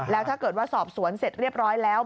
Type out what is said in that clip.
แล้วถ้าเกิดว่าสอบสวนเสร็จเรียบร้อยแล้ว